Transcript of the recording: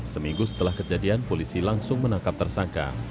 seminggu setelah kejadian polisi langsung menangkap tersangka